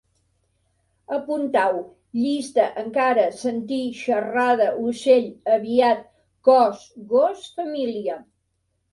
Apuntau: llista, encara, sentir, xerrada, ocell, aviat, cos, gos, família